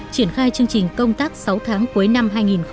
triển khai chương trình công tác sáu tháng cuối năm hai nghìn một mươi tám